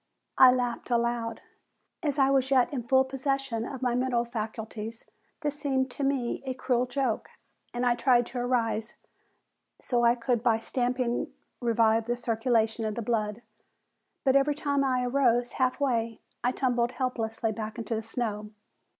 I laughed aloud. As I was yet in full possession of my mental faculties this seemed to me a cruel joke, and I tried to arise so I could by stamping revive the circulation of the blood, but every time I arose half way I tumbled helplessly back into the snow.